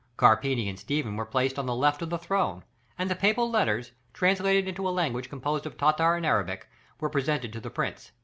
Carpini and Stephen were placed on the left of the throne, and the papal letters, translated into a language composed of Tartar and Arabic, were presented to the prince.